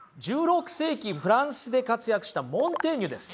１６世紀フランスで活躍したモンテーニュです。